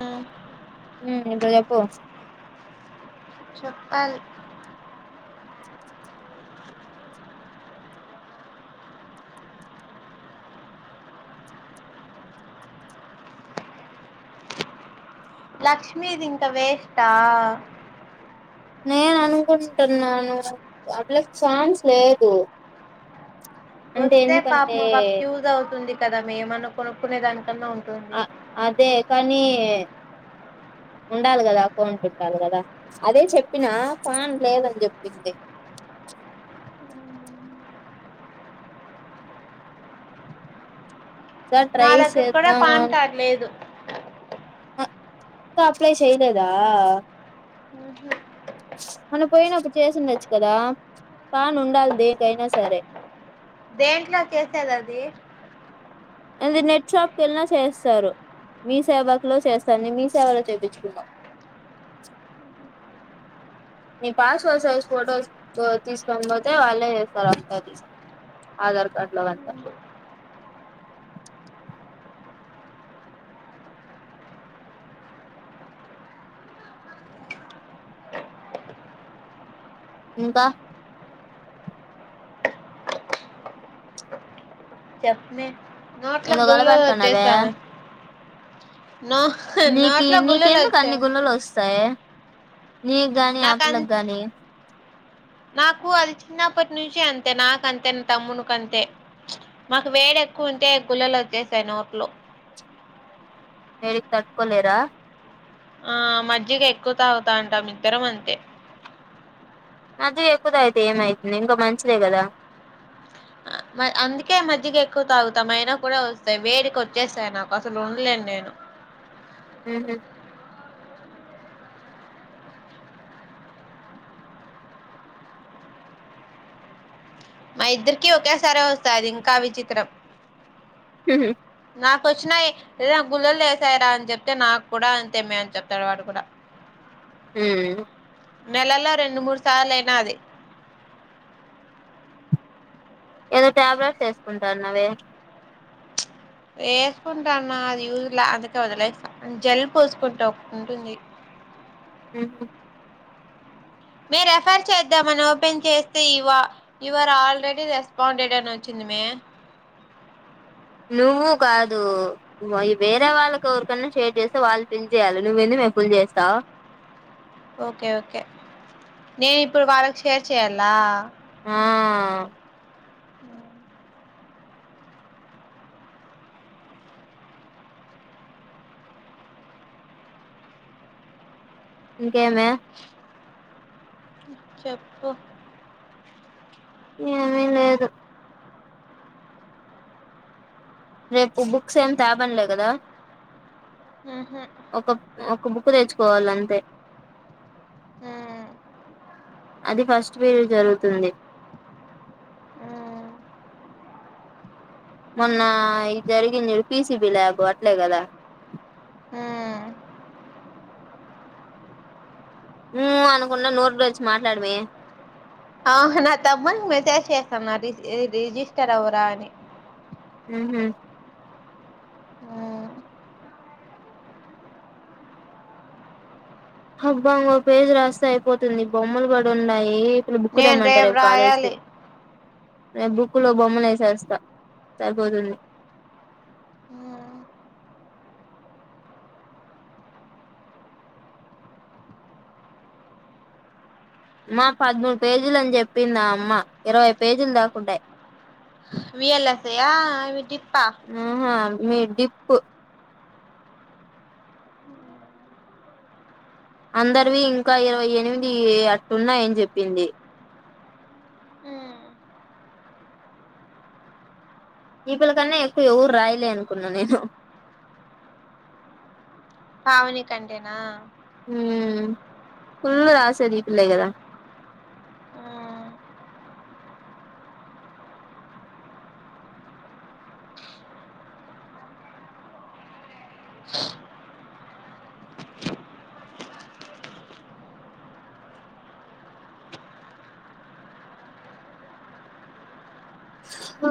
అ హ్మ్ ఇప్పుడు చెప్పు చెప్పల్ లక్ష్మిీది ఇంకా వేస్ట్ ఆ నేను అనుకుంటున్నాను ఆ పిల్లకి ఛాన్స్ లేదు అంటే వస్తే ఎందుకంటే పాపము ఆ పాపకు యూస్ అవుతుంది కదా మేమన్న కొనుక్కునే దాని అ అదే కానీ ఉండాలి కదా అకౌంట్ ఉండాలి కదా అదే చెప్పినా పాన్ లేదని చెప్పింది సార్ నా ట్రై దగ్గర కూడా చేద్దామా పాన్ కార్డ్ లేదు అ ఇంకా అప్లై చేయలేదా మొన్న పోయినప్పుడు చేసిండచ్చు కదా పాన్ ఉండాలి దేకైనా సరే దేంట్లో చేసేది అది అది నెట్ షాప్ కేలిన చేస్తారు మీ సేవకులో చేస్తాని మీ సేవలో చేపించుకున్నా మీ పాస్పోర్ట్ సైజ్ ఫొటోస్ తీసుకొని పోతే వాళ్ళే చేస్తారు అంత అది ఆధార్ కార్డ్ లో అంతా ఇంకా చెప్మే నోట్ల ఏదో గుళ్ళలు గలపెడుతున్నావే వచ్చేసాయ్ మే నీకి గుల్లులు నీకెందుకు అన్ని వచ్చాయి గుళ్ళలు వస్తాయి నిక్ గాని ఆ నాకం పిల్లకి గాని నాకు అది చిన్నప్పటి నుంచి అంతే నాకంతే నా తమ్మునికు అంతే మాకు వేడు ఎక్కువ ఉంటే గుళ్లలు వచ్చేసాయి నోట్లో వేడికి తట్టుకోలేరా ఆ మజ్జిగ ఎక్కువ తాగుతా అంటాం ఇద్దరం అంతే అది ఎక్కువ తాగుతే ఏమైతుంది ఇంకా మంచిదే కదా అందుకే మజ్జిగ ఎక్కువ తాగుతాం అయినా కూడా వస్తాయి వేడికి వచ్చేస్తాయి నాకు అసలు ఉండలేను నేను ఆ మా ఇద్దరికి ఒకేసారే వస్తాయ్ అది ఇంకా విచిత్రం హ నాకు వచ్చినాయి ఏద గుళ్ళలు లేసాయి రా అని చెప్తే నాకు కూడా అంతేమే అని చెప్తాడు వాడు కూడా హ్మ్ నెలలో రెండు మూడు సార్లు అయినా అది ఏదో టాబ్లెట్స్ వేసుకుంటా అన్నావే ఎస్కుంటాన్న అది యూస్ లా అందుకే వదిలేసా జల్ పుసుకుంటా ఒ ఉంటుంది హ్మ్ మే రెఫర్ చేద్దామని ఓపెన్ చేస్తే యువ యువర్ ఆల్రెడీ రెస్పాండెడ్ అని వచ్చింది మే నువ్వు కాదు వేరే వాళ్ళకిఎవరికన్నా చే చేస్తా వాళ్ళు పిల్ చేయాలి నువ్వేందు మే పిల్ చేస్తావ్ ఓకే ఓకే నేను ఇప్పుడు వాళ్ళకి షేర్ చెయాల ఆ ఉ ఇంకేమి చెప్పు ఏమి లేదు రేపు బుక్స్ ఏమి తే మన్లే కదా ఉహు ఒక ఒక బుక్ తెచ్చుకోవాలి అంతే ఊ అది ఫస్ట్ పీరియడ్ జరుగుతుంది ఉమ్ నా ఇ జరిగింది చూడు పీసిబి ల్యాబు అట్లే కదా ఉమ్ ఉమ్ అనుకుండా నోరు తెరిచి మాట్లాడుమే ఆహా నా తమ్మునికి మెసేజ్ చేసాం నా రి రిజిస్టర్ అవ్వురా అని ఉహూ ఉమ్ హబ్బా ఒక పేజ్ రాస్తే అయిపోతుంది బొమ్మలు కూడా ఉన్నాయి బుక్కు నేను దేమ్మంట రేపు కాలేజ్ కి రాయాలి రేపు బుక్కులో బొమ్మలు వేసేస్తా సరిపోతుంది ఉమ్ మా పదమూడు పేజీల అని చెప్పిందా ఆ అమ్మా ఇరవై పేజీలు దాకుంటాయి విఎల్ ఎస్ అయ్యా అవి డిప్పా ఆహా మీ డిప్పు అందరివి ఇంకా ఇరవై ఎనిమిది అట్టున్నాయని చెప్పింది ఈ పిల్ల కన్నా ఎక్కువ ఎవరు రాయలే అనుకున్నా నేను పావని కంటేనా ఉమ్ ఫుల్లు రాసేది ఈ పిల్లే గదా ఉమ్ ఆ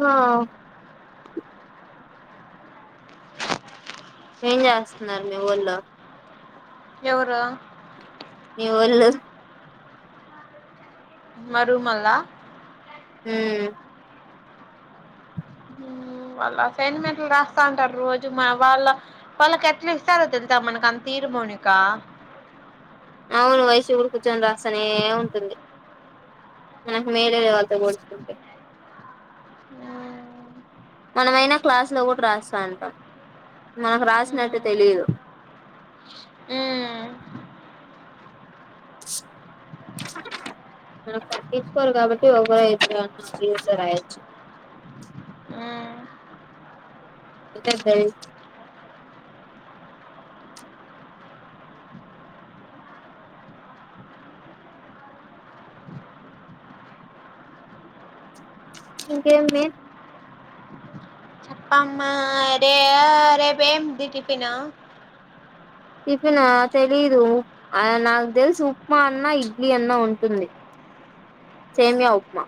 ఏం చేస్తున్నారు మీ వోళ్లు ఎవరు మీ వోళ్ళు మా రూమ్ వోళ్ళ ఉమ్ ఉమ్ వాళ్ళ అసైన్మెంట్లు రాస్తా ఉంటారు రోజు వాళ్ళ వాళ్ళకి ఎట్లా ఇస్తారో తెలుసా మనకి అంత తీర్ మోనికా అవును వైషు కూడా కూర్చొని రాస్తానే ఉంటుంది ఉహూ మేలేలే వాళ్లతో పోల్చుకుంటే మనమైనా క్లాస్ లో కూడా రాస్తాంటం మనకు రాసినట్టు తెలీదు ఉమ్ మనకు పట్టించుకోరు కాబట్టి ఒకరో ఇద్దరు అన్న రాయొచ్చు ఊ ఊ ఎక్కడది ఇంకేమి మే చెప్పమ్మా రే రేపిమిటి టిఫిను టిఫిన్ ఆ తెలీదు నాకు తెలిసి ఉప్మా అన్నా ఇడ్లీ అన్నా ఉంటుంది సేమియా ఉప్మా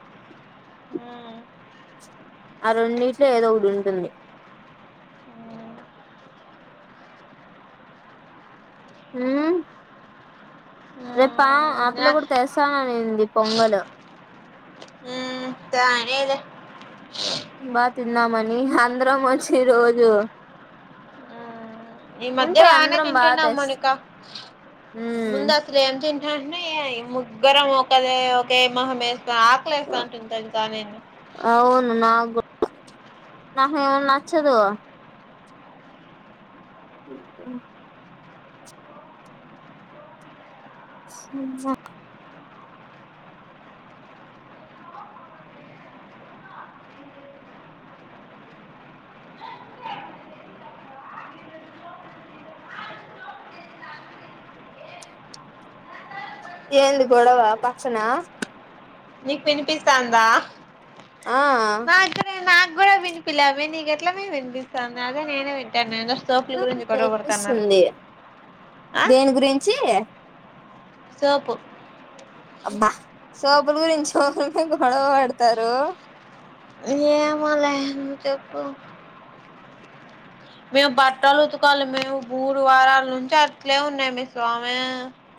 మ్మ్ ఆ రెండుటిలో ఏదో ఒకటి ఉంటుంది ఉమ్ ఆ రేపు పా ఆ పిల్ల కూడా తెస్తాననింది పొంగలు మ్మ్ తనేలే బా తిందామని అందరం వచ్చి రోజు మ్మ్ ఈ మధ్య ఉంటే బాగానే అందరం బా తింటున్నాం తెస్ మౌనిక మ్మ్ ముందు అసలు ఏం తి ర్మ ముగ్గురం ఒకదే ఒకే మొహం వేసుకొని ఆకలేస్తంటుంది తెలుసా నే అవును నాకు నాకేమో నచ్చదు సుమ్మ ఏంది గొడవ పక్కనా నీకు పినిపిస్తాందా ఆ నాకూడా వినిపిలా మే నీకు ఎట్లమే వినిపిస్తాన్నది అదే నేను వింటానాను ఏటో ఒక్కట వినిపిస్తుంది ఆ సోపు అబ్బా సోపుల గురించి ఒకరి గొడవ పడతారు ఏమోలే నువ్వు చెప్పు మే బట్టలు ఉతకాలి మే బూరు వారాలా నుంచి అట్లే ఉన్నాయి మే స్వామే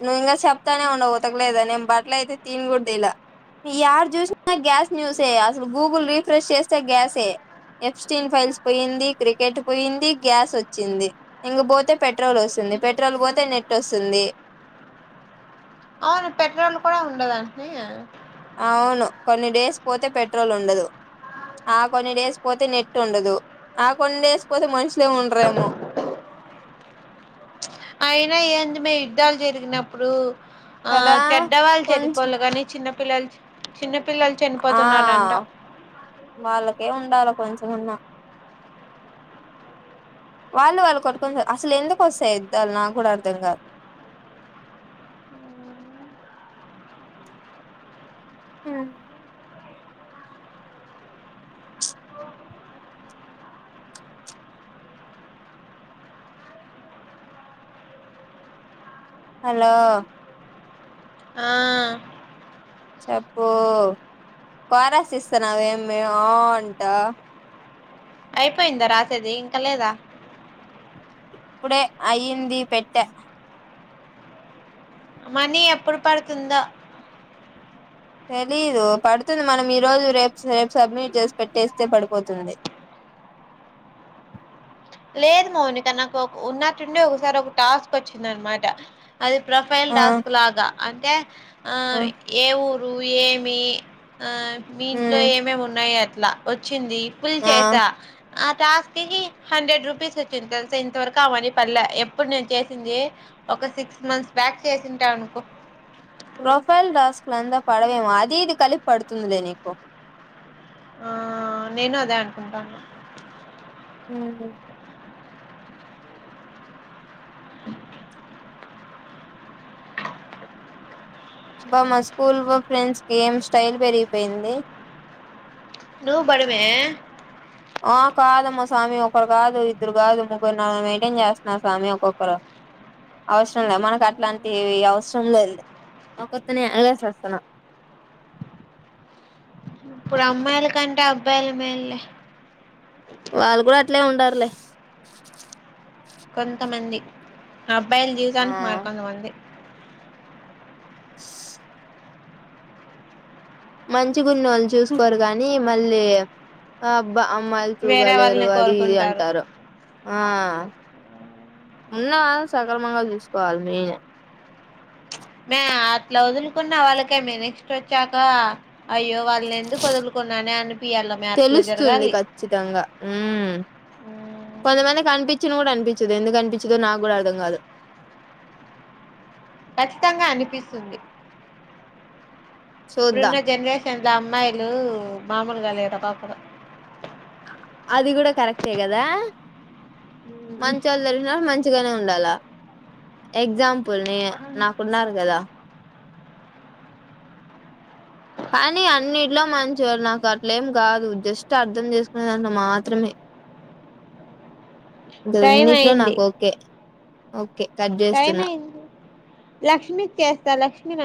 నువ్వు ఇంగా చెప్తానే ఉండవు ఉతకలేదు అని నేను బట్టల అయితే తిన్ గూడా తిలే యాడ చూసినా గ్యాస్ న్యూసే అసలు గూగుల్ రీఫ్రెష్ చేస్తే గ్యాసే ఎఫ్స్టీల్ ఫైల్స్ పోయింది క్రికెట్ పోయింది గ్యాస్ వచ్చింది ఇంగ పోతే పెట్రోల్ వస్తుంది ది పెట్రోల్ పోతే నెట్ వస్తుంది అవును పెట్రోల్ కూడా ఉండదంట నే అవును కొన్ని డేస్ పోతే పెట్రోల్ ఉండదు ఆ కొన్ని డేస్ పోతే నెట్ ఉండదు ఆ కొన్ని డేస్ పోతే మనుషులే ఉండరేమో అయినా ఏంది మే యుద్ధాలు జరిగినప్పుడు ఆ కదా చెడ్డవాళ్ళు కొంచెం చనిపోళ్ళ కాని చిన్నపిల్లలు చిన్న పిల్లలు ఆ చనిపోతున్నారంట వాళ్ళకే ఉండాల కొంచెమన్నా వాళ్ళు వాళ్ళు కొట్టుకుని అసలు ఎందుకు వస్తాయి యుద్ధాలు నాక్కూడా అర్థం కాదు అ హలో ఆ చెప్పు కోరస్ ఇస్తున్నావు ఏం మే ఆ అంటా అయిపోయిందా రాసేది ఇంక లేదా ఇప్పుడే అయ్యింది పెట్టా మనీ ఎప్పుడు పడుతుందో తెలీదు పడుతుంది మనం ఈ రోజు రేపు రేపు సబ్మిట్ చేసి పెట్టేస్తే పడిపోతుంది లేదు మౌనిక నాకు ఉన్నట్టుండి ఒకసారి ఒక టాస్క్ వచ్చింది అన్మాట అది ప్రొఫైల్ ఆ టాస్క్ లాగా అంటే ఆ ఏ ఊరు ఏమి ఆ మీ ఇంట్లో ఉమ్ ఏమేమి ఉన్నాయి అట్లా వచ్చింది ఫుల్ ఆ చేసా ఆ టాస్క్ కి హండ్రెడ్ రూపీస్ వచ్చింది తెలుసా ఇంత వరకు అ మనీ పడలే ఎప్పుడు నేను చేసింది ఒక సిక్స్ మంత్స్ బ్యా క్ చేసింటా అనుకో ప్రోఫైల్ టాస్క్ లంతా పడవేమో అది ఇది కలిపి పడుతుందిలే నీకు ఆ నేను అదే అనుకుంటాన్న మ్మ్ హ్ బా మా స్కూల్ ఫ్రెండ్స్ కి ఏం స్టైల్ పెరిగిపోయింది నువ్వు బడుమే ఆ కాదమ్మ స్వామి ఒకరు కాదు ఇద్దరు కాదు ముగ్గురు నలగర్ని మెయింటైన్ చేస్తున్నారు స్వామి ఒక్కొక్కరు అవసరం లేదు మనకు అట్లాంటి వి అవసరం లేదులే ఒక్కర్తోనే ఎగలేక చస్తున్నా ఇప్పుడు అమ్మాయిల కంటే అబ్బాయిలే మేల్లే వాళ్ళు కూడా అట్లే ఉండార్లే కొంతమంది అబ్బాయిల ఆ జీవితానికి మరికొంత మంది [unintelligible] మంచిగున్నోళ్ళు చూసుకోరు కానీ మళ్ళీ ఆ బా అమ్మాయిలు వేరే ట్రూగలేరు వాళ్ళని అది ఇది కోరుకుంటారు అంటారు ఆ ఉన్నవాళ్లు ను సక్రమంగా చూసుకోవాలి మెయిన్ మే అట్లా వదులుకున్న వాళ్ళకే మే నెక్స్ట్ వచ్చాక అయ్యో వాళ్ళని ఎందుకు కుదులుకున్నానే అనిపియ్యాల మే అట్ల తెలుస్తుంది జరగాలి ఖచ్చితంగా ఉమ్ కొంతమందికి అనిపి పించదు కూడా అనిపించదు ఎందుకు అనిపించదో నాకు కూడా అర్థం కాదు ఖచ్చితంగా అనిపిస్తుంది ఇప్పుడున్న చూద్దాం జెనరేషన్ ల అమ్మాయిలు మామూలుగా లేరు ఒక్కొక్కరు అది మంచోల్లు దొరికినపుడు మంచిగానే ఉండాలా ఎగ్జాంపుల్ నేనే నాకున్నారు కదా కానీ అన్నిట్లో మంచివారు నాకు అట్లేం కాదు జస్ట్ అర్ధం చేసుకునే దాంట్లో మాత్రమే టైం ఇకఅన్నిట్లో అయింది నాకు ఓకే ఓకే కట్ టైం చేస్తున్నా అయింది లక్ష్మీకి చేస్తా లక్ష్మీ నం